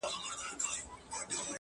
• هره شېبه درس د قربانۍ لري,